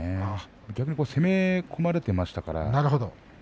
逆に攻め込まれていました。